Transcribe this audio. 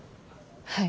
はい。